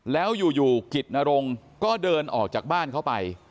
แล้วอยู่กิจนรงก็เดินออกจากบ้านเข้าไป